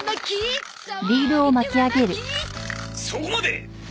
そこまで！